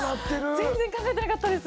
全然考えてなかったです。